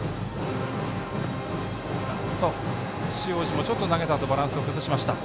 塩路も投げたあとバランスを崩しました。